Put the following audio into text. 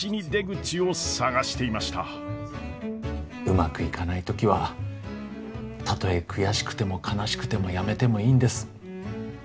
うまくいかない時はたとえ悔しくても悲しくてもやめてもいいんです。